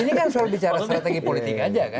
ini kan soal bicara strategi politik aja kan